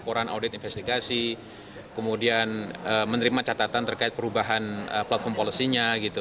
laporan audit investigasi kemudian menerima catatan terkait perubahan platform polosinya